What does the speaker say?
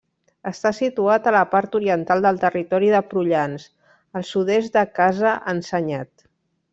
Està situat a la part oriental del territori de Prullans, al sud-est de Casa Ensenyat.